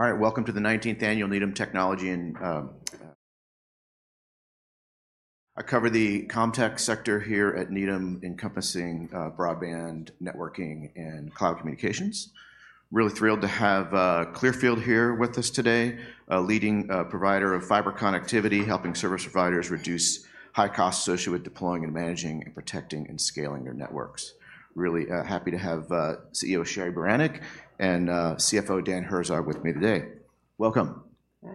All right, welcome to the 19th annual Needham Technology and. I cover the CommTech sector here at Needham, encompassing broadband networking and cloud communications. Really thrilled to have Clearfield here with us today, a leading provider of fiber connectivity, helping service providers reduce high costs associated with deploying and managing and protecting and scaling their networks. Really happy to have CEO Cheryl Beranek and CFO Dan Herzog with me today. Welcome.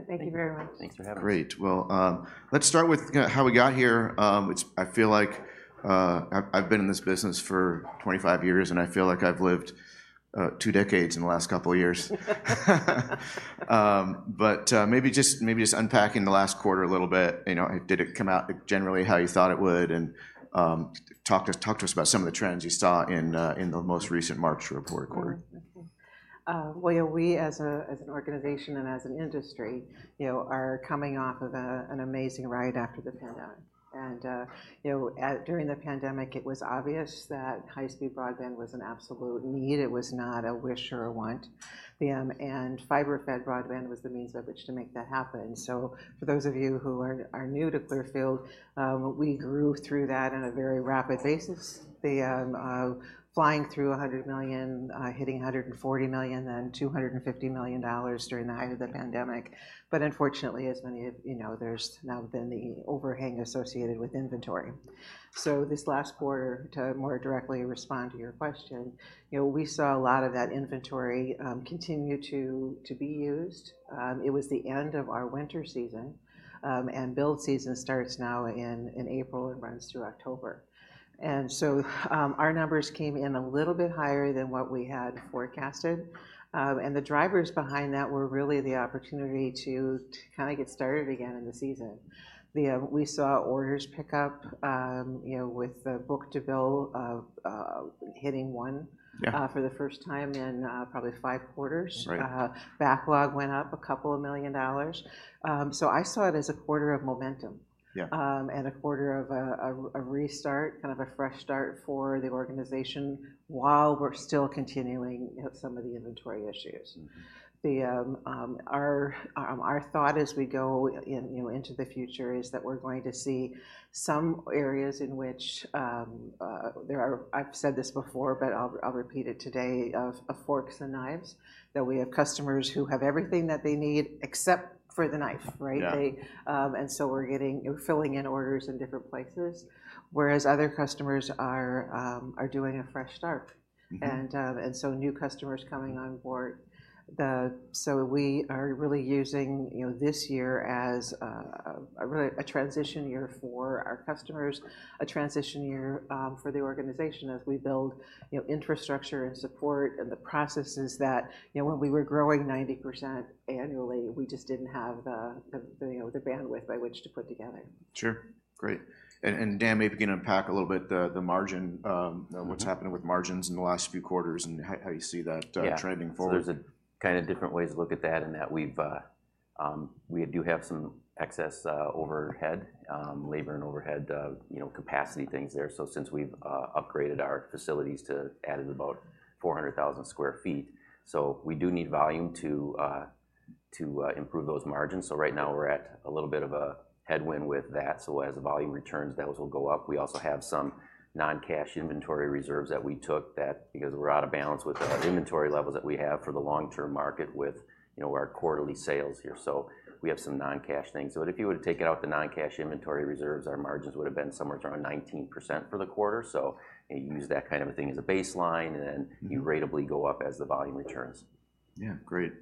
Thank you very much. Thanks for having me. Great. Well, let's start with how we got here. It's, I feel like I've been in this business for 25 years, and I feel like I've lived 2 decades in the last couple of years. But maybe just maybe just unpacking the last quarter a little bit. You know, did it come out generally how you thought it would? And talk to us, talk to us about some of the trends you saw in the most recent March report quarter. Well, you know, we as an organization and as an industry, you know, are coming off of an amazing ride after the pandemic. And, you know, during the pandemic, it was obvious that high-speed broadband was an absolute need. It was not a wish or a want, and fiber-fed broadband was the means by which to make that happen. So for those of you who are new to Clearfield, we grew through that on a very rapid basis, flying through $100 million, hitting $140 million, then $250 million during the height of the pandemic. But unfortunately, as many of you know, there's now been the overhang associated with inventory. So this last quarter, to more directly respond to your question, you know, we saw a lot of that inventory continue to be used. It was the end of our winter season, and build season starts now in April and runs through October. And so, our numbers came in a little bit higher than what we had forecasted. And the drivers behind that were really the opportunity to kinda get started again in the season. We saw orders pick up, you know, with the book-to-bill hitting 1. Yeah. for the first time in, probably 5 quarters. Right. Backlog went up couple of million dollars. So I saw it as a quarter of momentum. Yeah. and a quarter of a restart, kind of a fresh start for the organization while we're still continuing, you know, some of the inventory issues. Mm-hmm. Our thought as we go in, you know, into the future is that we're going to see some areas in which there are—I've said this before, but I'll repeat it today—of forks and knives, that we have customers who have everything that they need except for the knife, right? Yeah. and so we're getting you're filling in orders in different places, whereas other customers are doing a fresh start. Mm-hmm. So new customers coming on board. So we are really using, you know, this year as a really transition year for our customers, a transition year for the organization as we build, you know, infrastructure and support and the processes that, you know, when we were growing 90% annually, we just didn't have the, you know, the bandwidth by which to put together. Sure. Great. And Dan, maybe you can unpack a little bit the margin, what's happening with margins in the last few quarters and how you see that trending forward. Yeah. So there's a kinda different ways to look at that in that we've, we do have some excess, overhead, labor and overhead, you know, capacity things there. So since we've, upgraded our facilities to added about 400,000 sq ft, so we do need volume to, to, improve those margins. So right now, we're at a little bit of a headwind with that. So as the volume returns, those will go up. We also have some non-cash inventory reserves that we took that because we're out of balance with the inventory levels that we have for the long-term market with, you know, our quarterly sales here. So we have some non-cash things. So if you would have taken out the non-cash inventory reserves, our margins would have been somewhere around 19% for the quarter. You know, use that kind of a thing as a baseline, and then you ratably go up as the volume returns. Yeah. Great.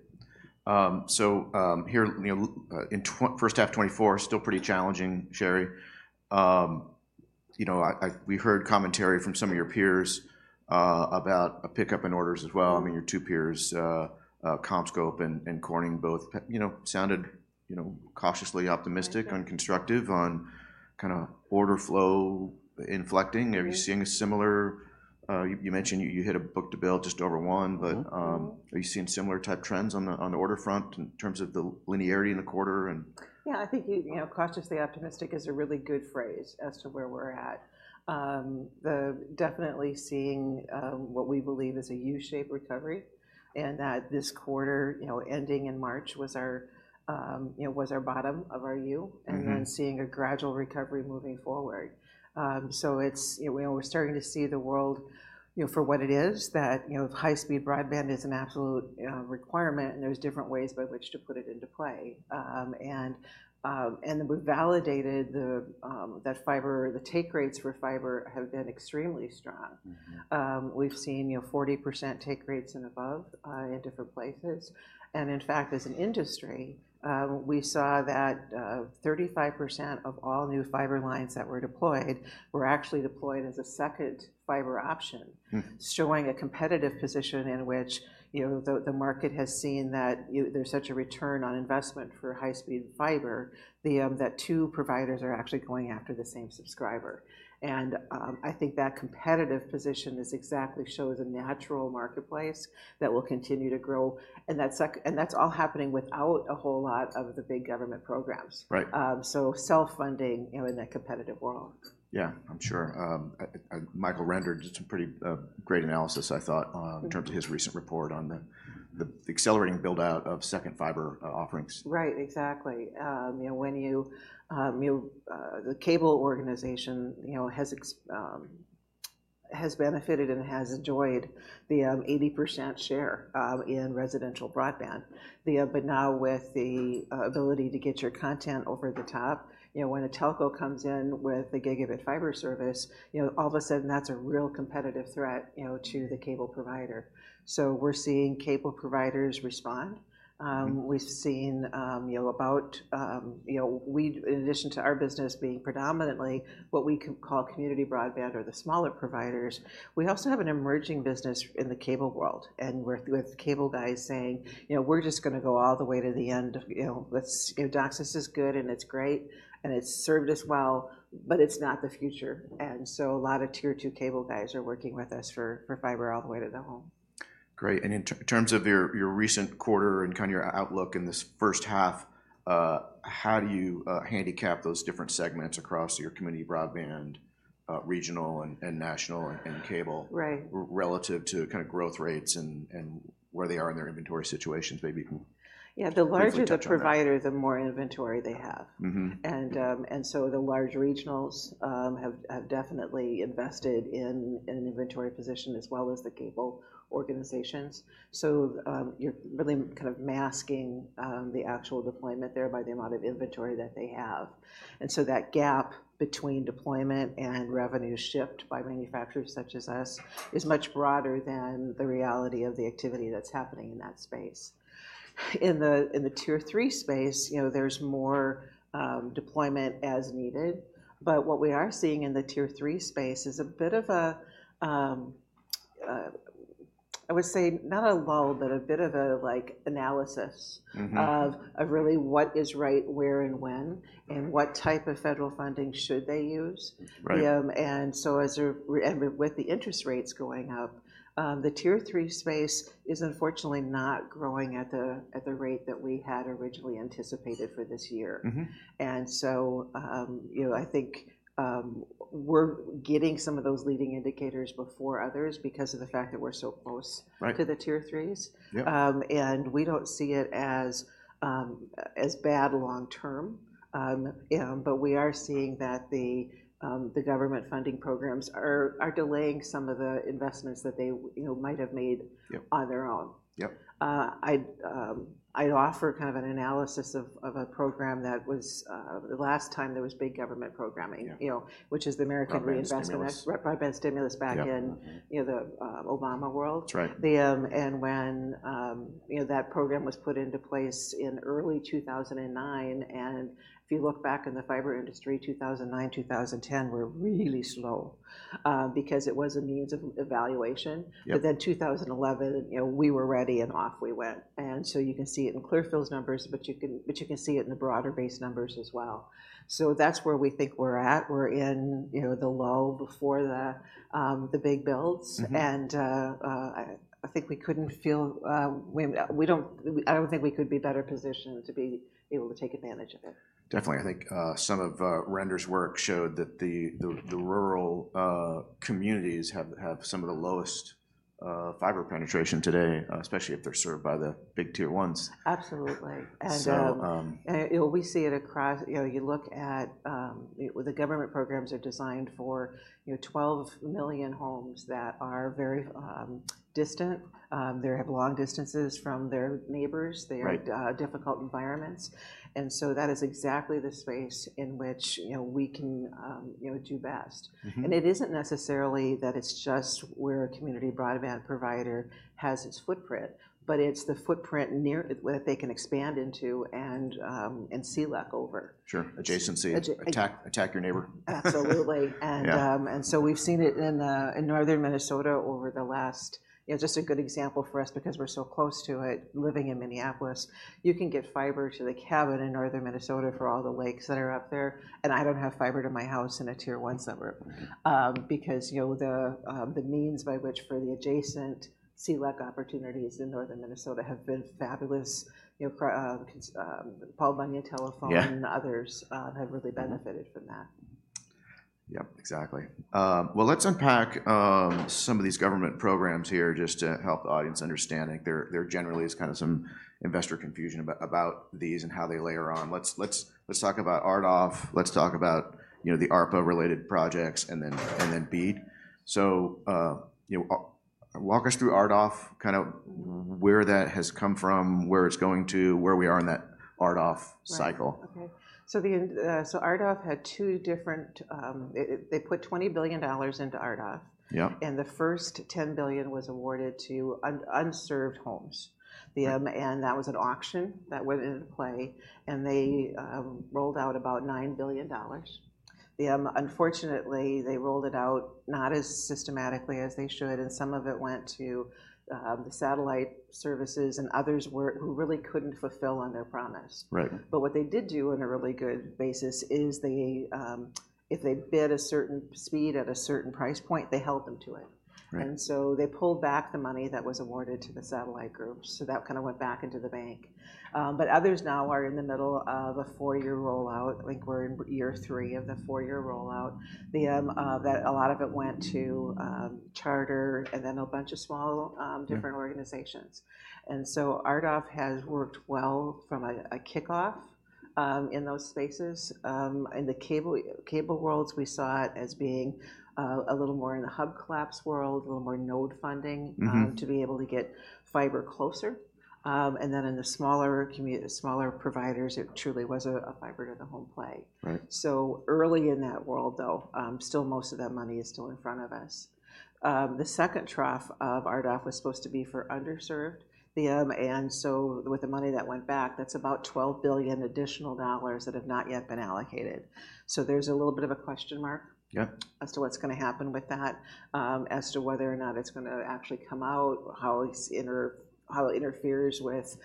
So, here, you know, in the first half of 2024, still pretty challenging, Cheryl. You know, I, we heard commentary from some of your peers about a pickup in orders as well. I mean, your two peers, CommScope and Corning, both, you know, sounded, you know, cautiously optimistic, constructive on kinda order flow inflecting. Are you seeing a similar—you mentioned you hit a book-to-bill just over one, but are you seeing similar-type trends on the order front in terms of the linearity in the quarter and? Yeah. I think you, you know, cautiously optimistic is a really good phrase as to where we're at. We're definitely seeing what we believe is a U-shaped recovery and that this quarter, you know, ending in March was our, you know, was our bottom of our U, and then seeing a gradual recovery moving forward. So it's, you know, you know, we're starting to see the world, you know, for what it is, that, you know, high-speed broadband is an absolute requirement, and there's different ways by which to put it into play. And we've validated that the take rates for fiber have been extremely strong. We've seen, you know, 40% take rates and above, in different places. In fact, as an industry, we saw that 35% of all new fiber lines that were deployed were actually deployed as a second fiber option, showing a competitive position in which, you know, the market has seen that, you know, there's such a return on investment for high-speed fiber, that two providers are actually going after the same subscriber. And I think that competitive position is exactly shows a natural marketplace that will continue to grow. And that's all happening without a whole lot of the big government programs. Right. So self-funding, you know, in that competitive world. Yeah. I'm sure. Michael Render did some pretty great analysis, I thought, in terms of his recent report on the accelerating buildout of second fiber offerings. Right. Exactly. You know, when you, the cable organization, you know, has benefited and has enjoyed the 80% share in residential broadband. But now with the ability to get your content over the top, you know, when a telco comes in with a gigabit fiber service, you know, all of a sudden, that's a real competitive threat, you know, to the cable provider. So we're seeing cable providers respond. We've seen, you know, about, you know, we in addition to our business being predominantly what we could call community broadband or the smaller providers, we also have an emerging business in the cable world. We're with cable guys saying, you know, "We're just gonna go all the way to the end of you know, let's you know, DOCSIS is good, and it's great, and it's served us well, but it's not the future." And so a lot of Tier 2 cable guys are working with us for fiber all the way to the home. Great. And in terms of your recent quarter and kinda your outlook in this first half, how do you handicap those different segments across your community broadband, regional and national and cable? Right. Relative to kind of growth rates and where they are in their inventory situations? Maybe you can. Yeah. The larger the provider, the more inventory they have. Mm-hmm. And so the large regionals have definitely invested in an inventory position as well as the cable organizations. So, you're really kind of masking the actual deployment, thereby the amount of inventory that they have. And so that gap between deployment and revenue shift by manufacturers such as us is much broader than the reality of the activity that's happening in that space. In the Tier 3 space, you know, there's more deployment as needed. But what we are seeing in the Tier 3 space is a bit of a, I would say not a lull, but a bit of a, like, analysis. Mm-hmm. Really what is right where and when and what type of federal funding should they use. Right. And so, as a result, with the interest rates going up, the Tier 3 space is unfortunately not growing at the rate that we had originally anticipated for this year. Mm-hmm. You know, I think, we're getting some of those leading indicators before others because of the fact that we're so close. Right. To the Tier 3s. Yeah. We don't see it as bad long term. You know, but we are seeing that the government funding programs are delaying some of the investments that they, you know, might have made. Yeah. On their own. Yep. I'd offer kind of an analysis of a program that was the last time there was big government programming. Yeah. You know, which is the American Reinvestment. Yeah. Reinvestment broadband stimulus back in, you know, the Obama world. That's right. you know, that program was put into place in early 2009, and if you look back in the fiber industry, 2009, 2010 were really slow, because it was a means of evaluation. Yeah. But then 2011, you know, we were ready, and off we went. And so you can see it in Clearfield's numbers, but you can see it in the broader base numbers as well. So that's where we think we're at. We're in, you know, the low before the big builds. Mm-hmm. I don't think we could be better positioned to be able to take advantage of it. Definitely. I think some of Render's work showed that the rural communities have some of the lowest fiber penetration today, especially if they're served by the big tier ones. Absolutely. And, So, You know, we see it across you know, you look at, you know, the government programs are designed for, you know, 12 million homes that are very distant. They have long distances from their neighbors. They are. Right. difficult environments. And so that is exactly the space in which, you know, we can, you know, do best. Mm-hmm. It isn't necessarily that it's just where a community broadband provider has its footprint, but it's the footprint near that they can expand into and CLEC over. Sure. Adjacency. Adjacency. Attack, attack your neighbor. Absolutely. And, Yeah. So we've seen it in northern Minnesota over the last, you know, just a good example for us because we're so close to it, living in Minneapolis, you can get fiber to the cabin in northern Minnesota for all the lakes that are up there. And I don't have fiber to my house in a Tier 1 suburb, because, you know, the means by which for the adjacent CLEC opportunities in northern Minnesota have been fabulous, you know, rural co-op Paul Bunyan Communications and others, have really benefited from that. Yep. Exactly. Well, let's unpack some of these government programs here just to help the audience understanding. There generally is kinda some investor confusion about these and how they layer on. Let's talk about RDOF. Let's talk about, you know, the ARPA-related projects and then BEAD. So, you know, walk us through RDOF, kinda where that has come from, where it's going to, where we are in that RDOF cycle. Right. Okay. So RDOF had two different, they put $20 billion into RDOF. Yep. The first $10 billion was awarded to unserved homes. And that was an auction that went into play, and they rolled out about $9 billion. Unfortunately, they rolled it out not as systematically as they should, and some of it went to the satellite services, and others who really couldn't fulfill on their promise. Right. What they did do on a really good basis is they, if they bid a certain speed at a certain price point, they held them to it. Right. They pulled back the money that was awarded to the satellite groups, so that kinda went back into the bank. But others now are in the middle of a four-year rollout. I think we're in year three of the four-year rollout. That a lot of it went to Charter and then a bunch of small, different organizations. And so RDOF has worked well from a kickoff in those spaces. In the cable worlds, we saw it as being a little more in the hub collapse world, a little more node funding. Mm-hmm. to be able to get fiber closer. And then in the smaller community, smaller providers, it truly was a fiber-to-the-home play. Right. So early in that world, though, still most of that money is still in front of us. The second tranche of RDOF was supposed to be for underserved. And so with the money that went back, that's about $12 billion additional dollars that have not yet been allocated. So there's a little bit of a question mark. Yep. As to what's gonna happen with that, as to whether or not it's gonna actually come out, how it interferes with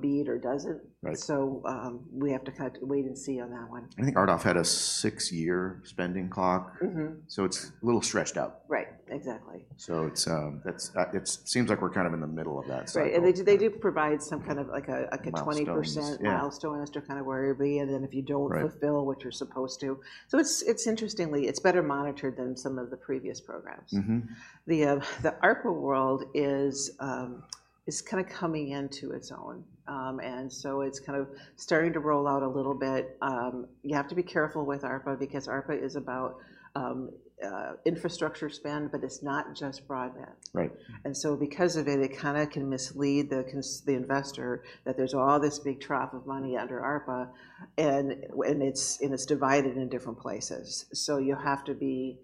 BEAD or doesn't. Right. So, we have to kinda wait and see on that one. I think RDOF had a six-year spending clock. Mm-hmm. So it's a little stretched out. Right. Exactly. So it seems like we're kind of in the middle of that cycle. Right. And they do provide some kind of, like, a 20% milestone as to kinda where it'll be, and then if you don't. Right. Fulfill what you're supposed to. So it's interestingly better monitored than some of the previous programs. Mm-hmm. The ARPA world is kinda coming into its own. And so it's kind of starting to roll out a little bit. You have to be careful with ARPA because ARPA is about infrastructure spend, but it's not just broadband. Right. And so because of it, it kinda can mislead the investor that there's all this big trough of money under ARPA, and it's divided in different places. So you have to be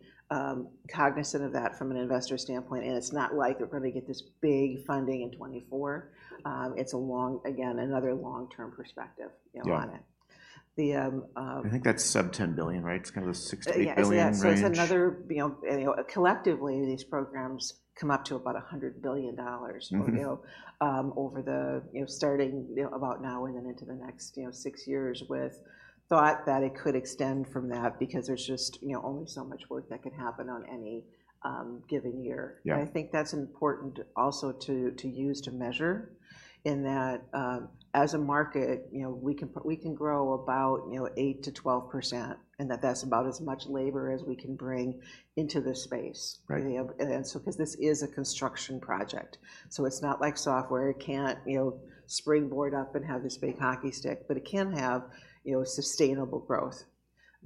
cognizant of that from an investor standpoint. And it's not like they're gonna get this big funding in 2024. It's a long, again, another long-term perspective, you know, on it. Yeah. The, I think that's sub-$10 billion, right? It's kinda the $6 billion-$8 billion rate. Yeah. Yeah. So it's another you know, you know, collectively, these programs come up to about $100 billion. Mm-hmm. Or, you know, over the you know, starting, you know, about now and then into the next, you know, six years with thought that it could extend from that because there's just, you know, only so much work that can happen on any given year. Yeah. I think that's important also to use to measure in that, as a market, you know, we can grow about, you know, 8%-12%, and that's about as much labor as we can bring into the space. Right. And so 'cause this is a construction project. So it's not like software. It can't, you know, springboard up and have this big hockey stick, but it can have, you know, sustainable growth.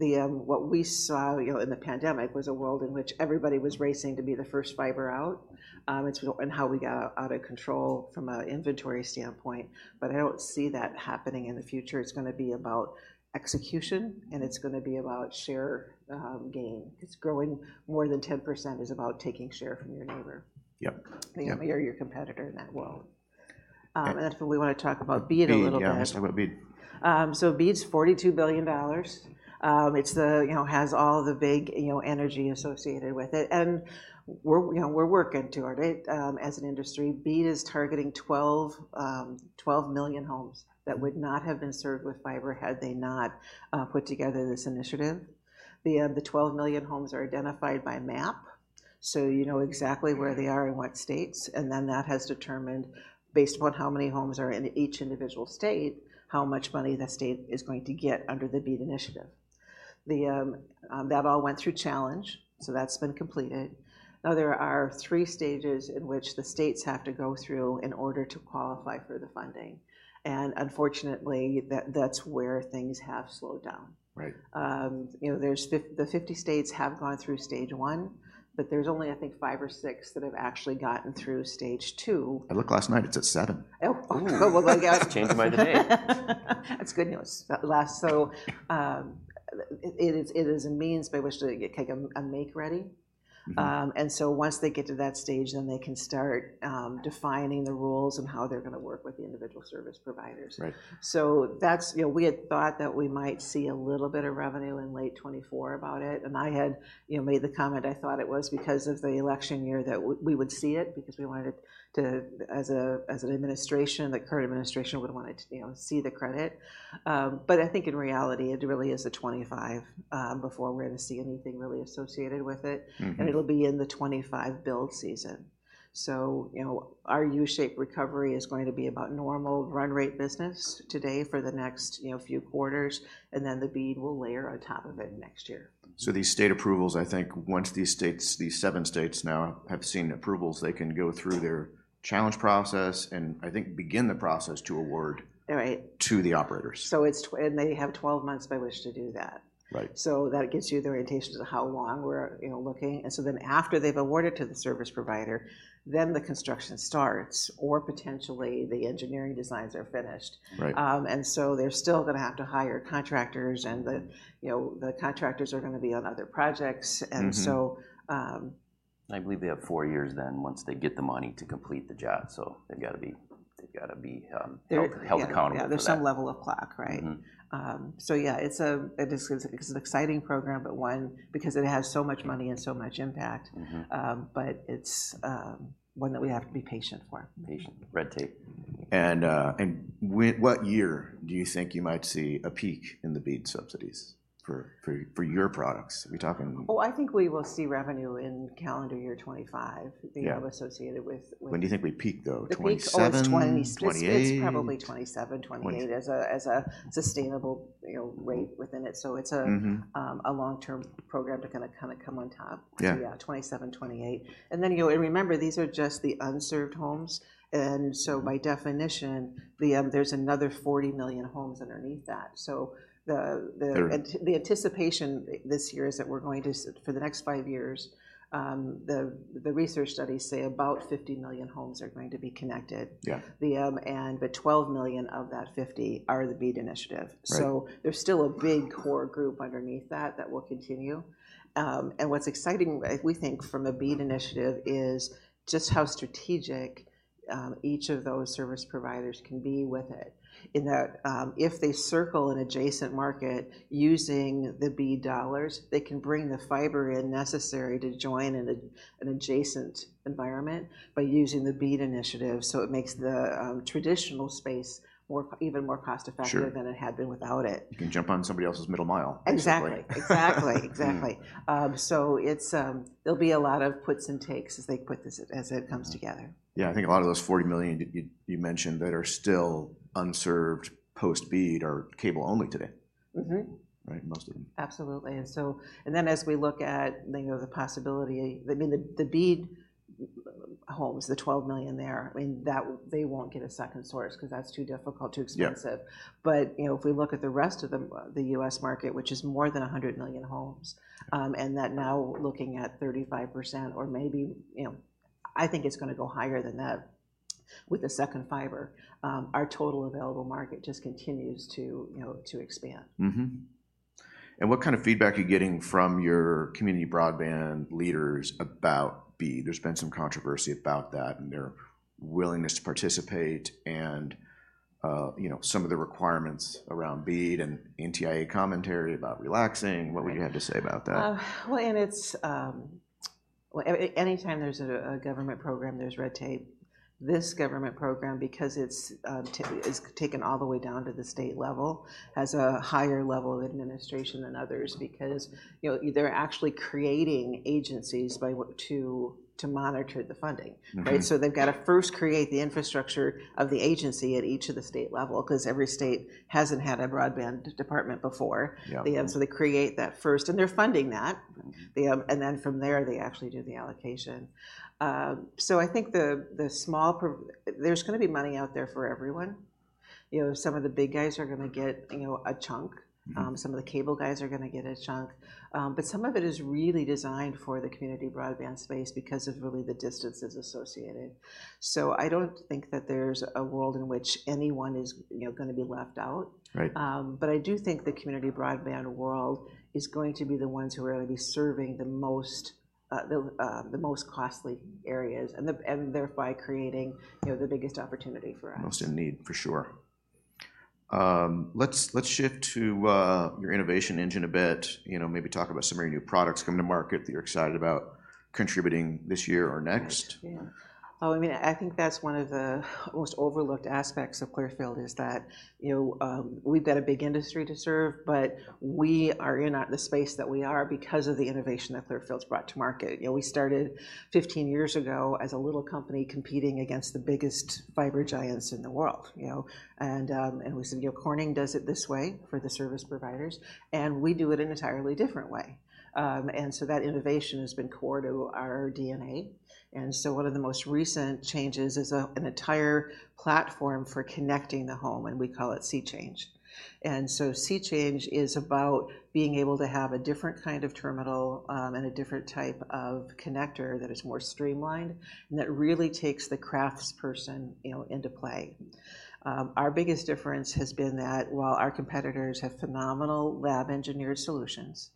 What we saw, you know, in the pandemic was a world in which everybody was racing to be the first fiber out. It's, and how we got out of control from an inventory standpoint. But I don't see that happening in the future. It's gonna be about execution, and it's gonna be about share gain 'cause growing more than 10% is about taking share from your neighbor. Yep. Or your competitor in that world. That's what we wanna talk about BEAD a little bit. Yeah. Yeah. Let's talk about BEAD. So BEAD's $42 billion. It's the, you know, has all the big, you know, energy associated with it. And we're, you know, we're working toward it as an industry. BEAD is targeting 12 million homes that would not have been served with fiber had they not put together this initiative. The 12 million homes are identified by map, so you know exactly where they are in what states. And then that has determined, based upon how many homes are in each individual state, how much money the state is going to get under the BEAD initiative. That all went through Challenge, so that's been completed. Now, there are 3 stages in which the states have to go through in order to qualify for the funding. And unfortunately, that's where things have slowed down. Right. You know, there's 50 of the 50 states have gone through stage one, but there's only, I think, five or six that have actually gotten through stage two. I looked last night. It's at 7. Oh. Oh. Oh. Well, well, go get out. Changing by the day. That's good news. Last so, it is a means by which to get, like, a make-ready. Mm-hmm. Once they get to that stage, then they can start defining the rules and how they're gonna work with the individual service providers. Right. So that's, you know, we had thought that we might see a little bit of revenue in late 2024 about it. And I had, you know, made the comment I thought it was because of the election year that we would see it because we wanted it to as a as an administration, the current administration would want it to, you know, see the credit. But I think in reality, it really is a 2025, before we're gonna see anything really associated with it. Mm-hmm. It'll be in the 2025 build season. So, you know, our U-shaped recovery is going to be about normal run-rate business today for the next, you know, few quarters, and then the BEAD will layer on top of it next year. These state approvals, I think, once these seven states now have seen approvals, they can go through their challenge process and, I think, begin the process to award. Right. To the operators. So it's, and they have 12 months by which to do that. Right. So that gives you the orientation to how long we're, you know, looking. And so then after they've awarded to the service provider, then the construction starts or potentially the engineering designs are finished. Right. And so they're still gonna have to hire contractors, and, you know, the contractors are gonna be on other projects. Mm-hmm. And so, I believe they have four years, then once they get the money to complete the job. So they've gotta be. Health. Held accountable for that. Yeah. There's some level of clock, right? Mm-hmm. Yeah. It is 'cause it's an exciting program, but one because it has so much money and so much impact. Mm-hmm. but it's one that we have to be patient for. Patience. Red tape. And what year do you think you might see a peak in the BEAD subsidies for your products? Are we talking. Oh, I think we will see revenue in calendar year 2025. Yeah. You know, associated with. When do you think we peak, though? 27? We peak almost 26. 28? It's probably 27, 28. Yeah. As a sustainable, you know, rate within it. So it's a. Mm-hmm. A long-term program to kinda come on top. Yeah. Yeah. 27, 28. And then, you know and remember, these are just the unserved homes. And so by definition, there's another 40 million homes underneath that. So the. Very. And the anticipation this year is that we're going to see for the next five years, the research studies say about 50 million homes are going to be connected. Yeah. 12 million of that 50 are the BEAD initiative. Right. So there's still a big core group underneath that that will continue. And what's exciting, I think, from a BEAD initiative is just how strategic each of those service providers can be with it in that, if they circle an adjacent market using the BEAD dollars, they can bring the fiber in necessary to join in a an adjacent environment by using the BEAD initiative. So it makes the traditional space more even more cost-effective. Sure. Than it had been without it. You can jump on somebody else's middle mile. Exactly. Exactly. Exactly. So it's, there'll be a lot of puts and takes as they put this as it comes together. Yeah. I think a lot of those 40 million you mentioned that are still unserved post-BEAD are cable-only today. Mm-hmm. Right? Most of them. Absolutely. So, as we look at, you know, the possibility, I mean, the BEAD homes, the 12 million there, I mean, that they won't get a second source 'cause that's too difficult, too expensive. Yeah. You know, if we look at the rest of the U.S. market, which is more than 100 million homes, and that now looking at 35% or maybe, you know I think it's gonna go higher than that with the second fiber, our total available market just continues to, you know, to expand. Mm-hmm. And what kind of feedback are you getting from your community broadband leaders about BEAD? There's been some controversy about that and their willingness to participate and, you know, some of the requirements around BEAD and NTIA commentary about relaxing. What would you have to say about that? Well, anytime there's a government program, there's red tape. This government program, because it's taken all the way down to the state level, has a higher level of administration than others because, you know, they're actually creating agencies to monitor the funding. Mm-hmm. Right? So they've gotta first create the infrastructure of the agency at each of the state level 'cause every state hasn't had a broadband department before. Yeah. So they create that first, and they're funding that. Right. And then from there, they actually do the allocation. So I think the small pros, there's gonna be money out there for everyone. You know, some of the big guys are gonna get, you know, a chunk. Mm-hmm. Some of the cable guys are gonna get a chunk. But some of it is really designed for the community broadband space because of really the distances associated. So I don't think that there's a world in which anyone is, you know, gonna be left out. Right. But I do think the community broadband world is going to be the ones who are gonna be serving the most costly areas and thereby creating, you know, the biggest opportunity for us. Most in need, for sure. Let's shift to your innovation engine a bit. You know, maybe talk about some of your new products coming to market that you're excited about contributing this year or next. Yeah. Oh, I mean, I think that's one of the most overlooked aspects of Clearfield is that, you know, we've got a big industry to serve, but we are in the space that we are because of the innovation that Clearfield's brought to market. You know, we started 15 years ago as a little company competing against the biggest fiber giants in the world, you know? And we said, "You know, Corning does it this way for the service providers, and we do it an entirely different way." And so that innovation has been core to our DNA. And so one of the most recent changes is an entire platform for connecting the home, and we call it SeeChange. And so SeeChange is about being able to have a different kind of terminal, and a different type of connector that is more streamlined and that really takes the craftsperson, you know, into play. Our biggest difference has been that while our competitors have phenomenal lab-engineered solutions,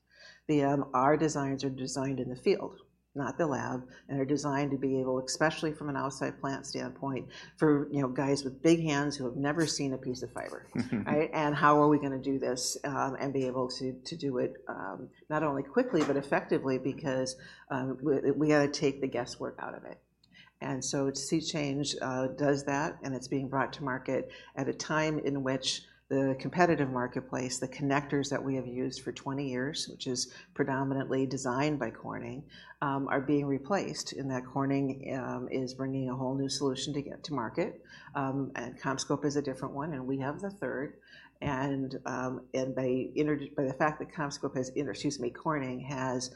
our designs are designed in the field, not the lab, and are designed to be able especially from an outside plant standpoint for, you know, guys with big hands who have never seen a piece of fiber. Mm-hmm. Right? And how are we gonna do this, and be able to do it not only quickly but effectively because we gotta take the guesswork out of it. And so SeeChange does that, and it's being brought to market at a time in which the competitive marketplace, the connectors that we have used for 20 years, which is predominantly designed by Corning, are being replaced in that Corning is bringing a whole new solution to get to market. And CommScope is a different one, and we have the third. And by the fact that CommScope has, excuse me, Corning has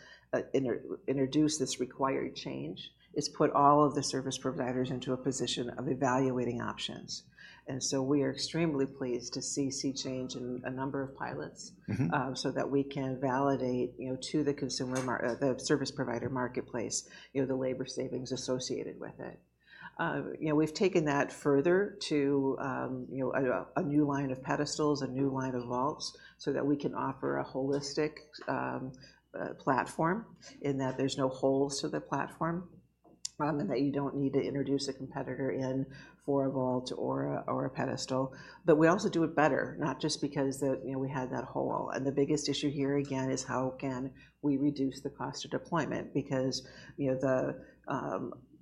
introduced this required change, it's put all of the service providers into a position of evaluating options. And so we are extremely pleased to see SeeChange in a number of pilots. Mm-hmm. so that we can validate, you know, to the consumer market the service provider marketplace, you know, the labor savings associated with it. You know, we've taken that further to, you know, a new line of pedestals, a new line of vaults so that we can offer a holistic platform in that there's no holes in the platform, and that you don't need to introduce a competitor in for a vault or a pedestal. But we also do it better, not just because, you know, we had that hole. And the biggest issue here, again, is how can we reduce the cost of deployment because, you know,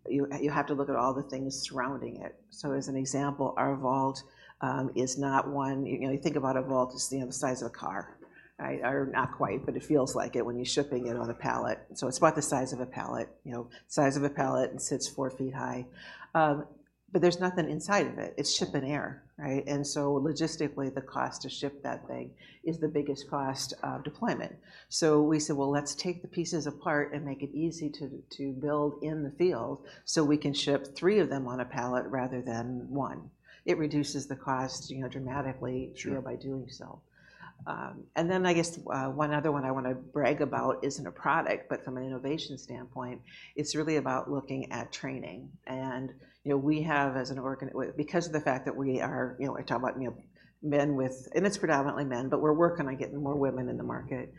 you have to look at all the things surrounding it. So as an example, our vault is not one you know, you think about a vault as, you know, the size of a car, right? Or not quite, but it feels like it when you're shipping it on a pallet. So it's about the size of a pallet, you know, size of a pallet and sits four feet high. But there's nothing inside of it. It's shipped in air, right? And so logistically, the cost to ship that thing is the biggest cost of deployment. So we said, "Well, let's take the pieces apart and make it easy to build in the field so we can ship three of them on a pallet rather than one." It reduces the cost, you know, dramatically. Sure. You know, by doing so, and then I guess one other one I wanna brag about isn't a product, but from an innovation standpoint, it's really about looking at training. And, you know, we have, as an organization, well, because of the fact that we are, you know, we're talking about, you know, men, and it's predominantly men, but we're working on getting more women in the market.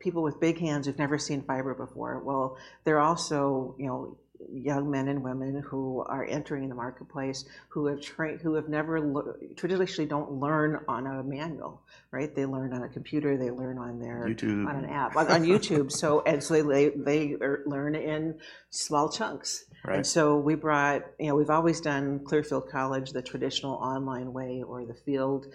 People with big hands who've never seen fiber before. Well, there are also, you know, young men and women who are entering the marketplace who traditionally don't learn on a manual, right? They learn on a computer. They learn on their. YouTube. On an app. On YouTube. So and so they are learn in small chunks. Right. And so we brought you know, we've always done Clearfield College, the traditional online way or the field,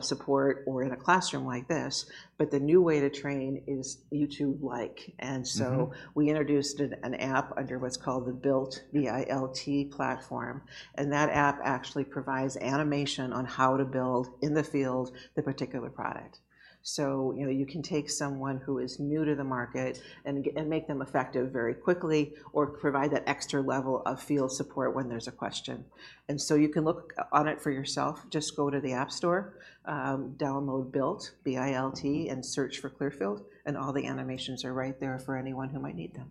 support or in a classroom like this, but the new way to train is YouTube-like. And so. Mm-hmm. We introduced an app under what's called the BILT, B-I-L-T, platform. And that app actually provides animation on how to build in the field the particular product. So, you know, you can take someone who is new to the market and make them effective very quickly or provide that extra level of field support when there's a question. And so you can look on it for yourself. Just go to the App Store, download BILT, B-I-L-T, and search for Clearfield, and all the animations are right there for anyone who might need them.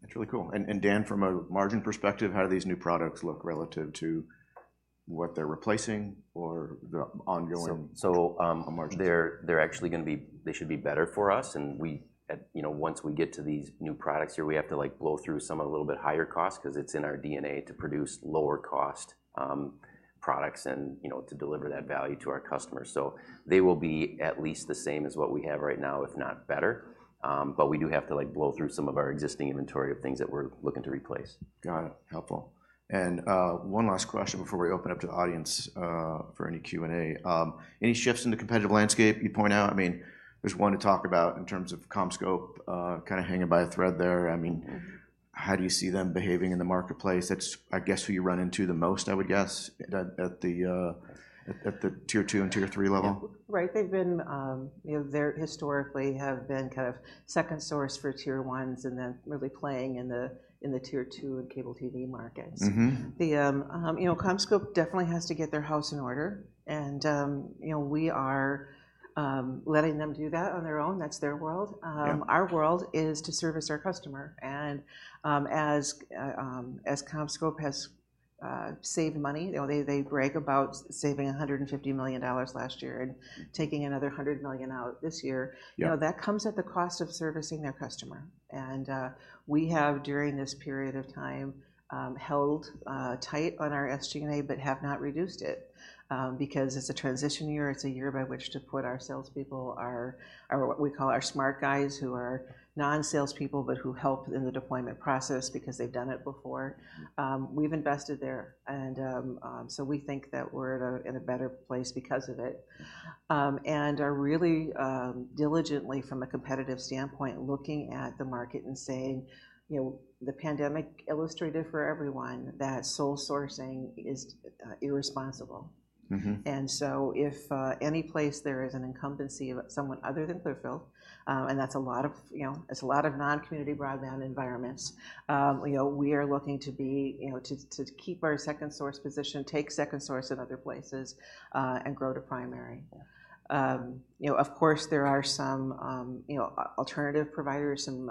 That's really cool. And, Dan, from a margin perspective, how do these new products look relative to what they're replacing or the ongoing? So, so, A margin perspective. They're actually gonna be. They should be better for us. And we, you know, once we get to these new products here, we have to, like, blow through some of the little bit higher costs 'cause it's in our DNA to produce lower-cost products and, you know, to deliver that value to our customers. So they will be at least the same as what we have right now, if not better. But we do have to, like, blow through some of our existing inventory of things that we're looking to replace. Got it. Helpful. And, one last question before we open up to the audience, for any Q and A. Any shifts in the competitive landscape you point out? I mean, there's one to talk about in terms of CommScope, kinda hanging by a thread there. I mean. Mm-hmm. How do you see them behaving in the marketplace? That's, I guess, who you run into the most, I would guess, at the Tier 2 and Tier 3 level. Right. They've been, you know, they're historically have been kind of second source for Tier 1s and then really playing in the Tier 2 and cable TV markets. Mm-hmm. You know, CommScope definitely has to get their house in order. And, you know, we are letting them do that on their own. That's their world. Yeah. Our world is to service our customer. And, as CommScope has saved money you know, they brag about saving $150 million last year and taking another $100 million out this year. Yeah. You know, that comes at the cost of servicing their customer. We have during this period of time held tight on our SG&A but have not reduced it, because it's a transition year. It's a year by which to put our salespeople, our what we call our smart guys who are non-salespeople but who help in the deployment process because they've done it before. We've invested there. So we think that we're in a better place because of it, and are really diligently, from a competitive standpoint, looking at the market and saying, you know, the pandemic illustrated for everyone that sole sourcing is irresponsible. Mm-hmm. If any place there is an incumbency of someone other than Clearfield, and that's a lot of, you know, it's a lot of non-community broadband environments, you know, we are looking to be, you know, to keep our second source position, take second source in other places, and grow to primary. Yeah. You know, of course, there are some, you know, alternative providers, some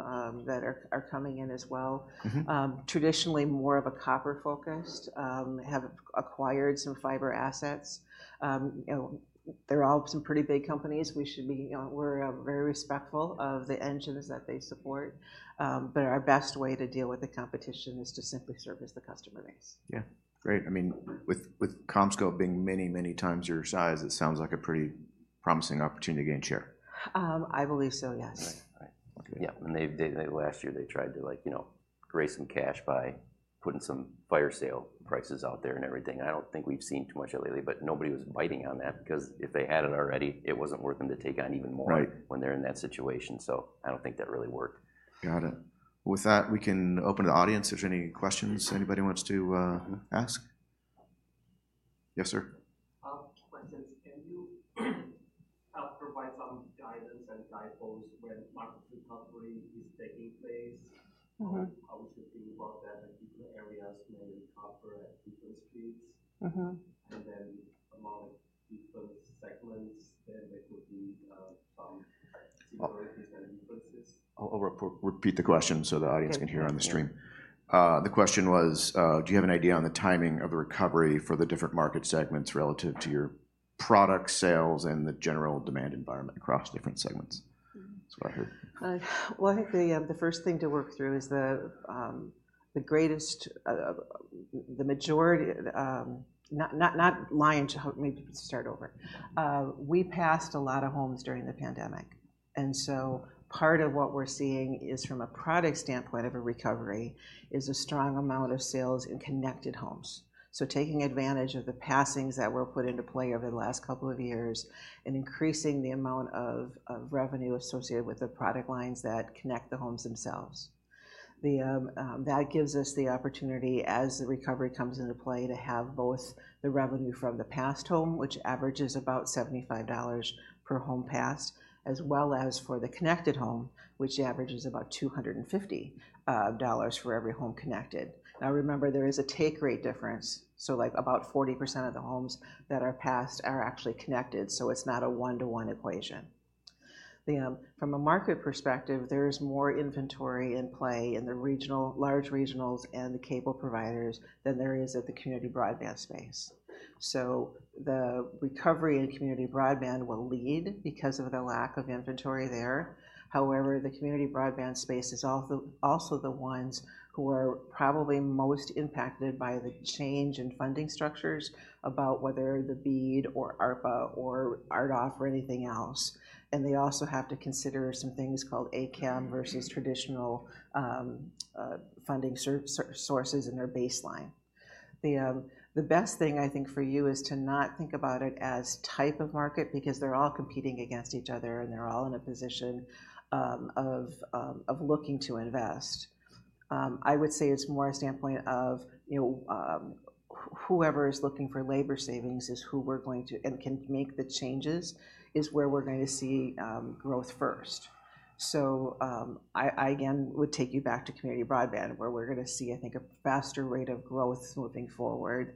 that are coming in as well. Mm-hmm. Traditionally more of a copper-focused, have acquired some fiber assets. You know, they're all some pretty big companies. We should be you know, we're, very respectful of the engines that they support. But our best way to deal with the competition is to simply service the customer base. Yeah. Great. I mean, with CommScope being many, many times your size, it sounds like a pretty promising opportunity to gain share. I believe so, yes. All right. All right. Okay. Yep. And they last year, they tried to, like, you know, raise some cash by putting some fire sale prices out there and everything. I don't think we've seen too much of it lately, but nobody was biting on that because if they had it already, it wasn't worth them to take on even more. Right. When they're in that situation. So I don't think that really worked. Got it. Well, with that, we can open to the audience. If there's any questions anybody wants to ask? Yes, sir. I'll question. Can you provide some guidance and guideposts when market recovery is taking place? Mm-hmm. How we should think about that in different areas, maybe copper at different streets. Mm-hmm. Among different segments, there could be some similarities and differences. I'll repeat the question so the audience can hear on the stream. The question was, do you have an idea on the timing of the recovery for the different market segments relative to your product sales and the general demand environment across different segments? Mm-hmm. That's what I heard. Well, we passed a lot of homes during the pandemic. And so part of what we're seeing is from a product standpoint of a recovery is a strong amount of sales in connected homes. So taking advantage of the passings that were put into play over the last couple of years and increasing the amount of revenue associated with the product lines that connect the homes themselves. That gives us the opportunity as the recovery comes into play to have both the revenue from the passed home, which averages about $75 per home passed, as well as for the connected home, which averages about $250 dollars for every home connected. Now, remember, there is a take rate difference. So, like, about 40% of the homes that are passed are actually connected, so it's not a one-to-one equation. From a market perspective, there is more inventory in play in the regional large regionals and the cable providers than there is at the community broadband space. So the recovery in community broadband will lead because of the lack of inventory there. However, the community broadband space is also the ones who are probably most impacted by the change in funding structures about whether the BEAD or ARPA or RDOF or anything else. And they also have to consider some things called ACAM versus traditional funding sources in their baseline. The best thing, I think, for you is to not think about it as type of market because they're all competing against each other, and they're all in a position of looking to invest. I would say it's more a standpoint of, you know, whoever is looking for labor savings is who we're going to and can make the changes is where we're gonna see growth first. So, I again would take you back to community broadband where we're gonna see, I think, a faster rate of growth moving forward,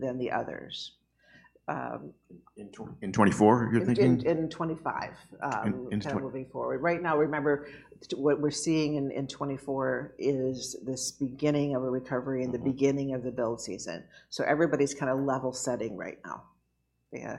than the others. In Q2 in 2024, you're thinking? In 2025, In 2024. of moving forward. Right now, remember, what we're seeing in, in 2024 is this beginning of a recovery and the beginning of the build season. So everybody's kind of level setting right now. Yeah.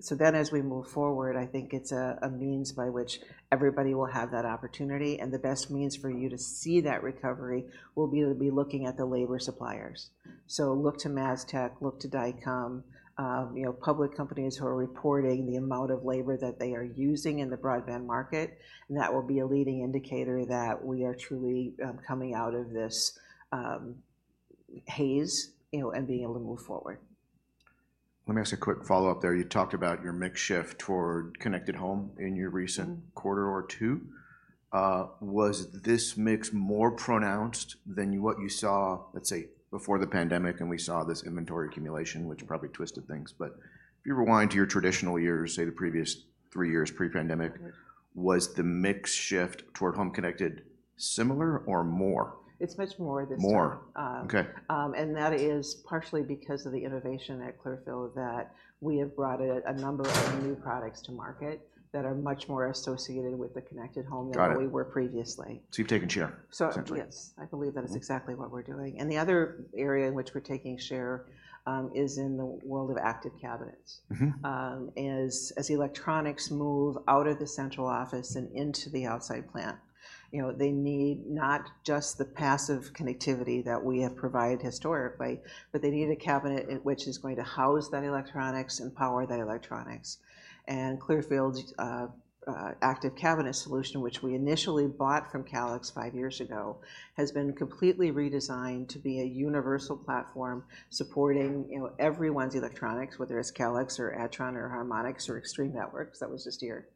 So then as we move forward, I think it's a, a means by which everybody will have that opportunity. And the best means for you to see that recovery will be to be looking at the labor suppliers. So look to MasTec. Look to Dycom. You know, public companies who are reporting the amount of labor that they are using in the broadband market. And that will be a leading indicator that we are truly coming out of this haze, you know, and being able to move forward. Let me ask a quick follow-up there. You talked about your mix shift toward connected home in your recent quarter or two. Was this mix more pronounced than what you saw, let's say, before the pandemic, and we saw this inventory accumulation, which probably twisted things. But if you rewind to your traditional years, say the previous three years pre-pandemic. Right. Was the mix shift toward home connected similar or more? It's much more this time. More. Okay. and that is partially because of the innovation at Clearfield that we have brought a number of new products to market that are much more associated with the connected home than. Got it. We were previously. So you've taken share, essentially. So yes. I believe that is exactly what we're doing. And the other area in which we're taking share is in the world of active cabinets. Mm-hmm. As electronics move out of the central office and into the outside plant, you know, they need not just the passive connectivity that we have provided historically, but they need a cabinet in which is going to house that electronics and power that electronics. And Clearfield's active cabinet solution, which we initially bought from Calix five years ago, has been completely redesigned to be a universal platform supporting, you know, everyone's electronics, whether it's Calix or Adtran or Harmonic or Extreme Networks. That was just a year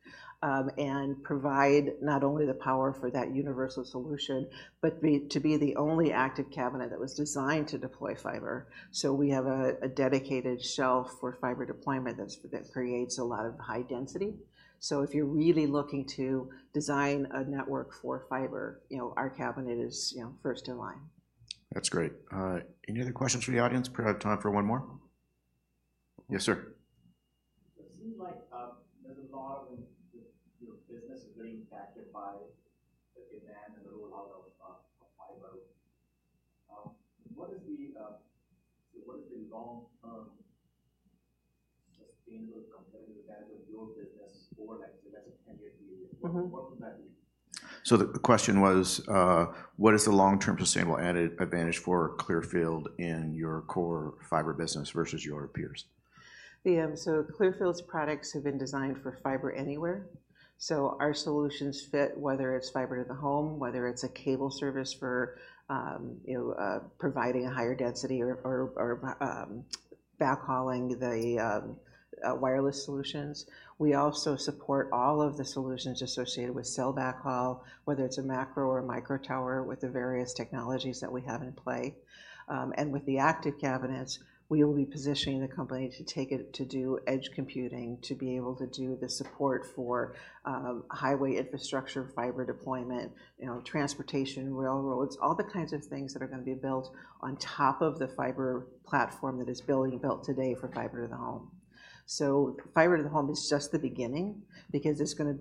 and provide not only the power for that universal solution but be to be the only active cabinet that was designed to deploy fiber. So we have a dedicated shelf for fiber deployment that's that creates a lot of high density. If you're really looking to design a network for fiber, you know, our cabinet is, you know, first in line. That's great. Any other questions for the audience? Pretty much time for one more. Yes, sir. It seems like, there's a lot of in your business is getting impacted by the demand and the rollout of fiber. So what is the long-term sustainable competitive advantage of your business over, like, say, let's say, 10-year period? What would that be? The question was, what is the long-term sustainable added advantage for Clearfield in your core fiber business versus your peers? So Clearfield's products have been designed for fiber anywhere. So our solutions fit whether it's fiber to the home, whether it's a cable service for, you know, providing a higher density or backhauling the wireless solutions. We also support all of the solutions associated with cell backhaul, whether it's a macro or a micro tower with the various technologies that we have in play. And with the active cabinets, we will be positioning the company to take it to do edge computing, to be able to do the support for highway infrastructure, fiber deployment, you know, transportation, railroads, all the kinds of things that are gonna be built on top of the fiber platform that is being built today for fiber to the home. So fiber to the home is just the beginning because it's gonna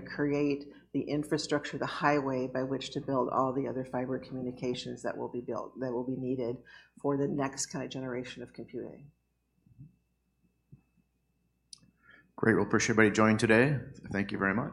create the infrastructure, the highway by which to build all the other fiber communications that will be built that will be needed for the next kinda generation of computing. Great. Well, appreciate everybody joining today. Thank you very much.